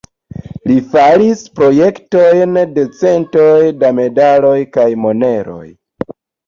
Li faris projektojn de centoj da medaloj kaj moneroj.